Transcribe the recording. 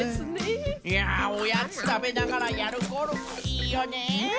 いやおやつたべながらやるゴルフいいよねえ。